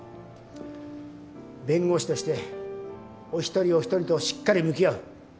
弁護士としてお一人お一人としっかり向き合う